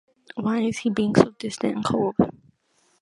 Why is he being so distant and cold?